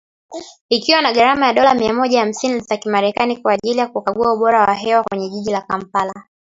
Ikiwa na gharama ya dola mia moja hamsini za kimerekani kwa ajili ya kukagua ubora wa hewa kwenye jiji la Kampala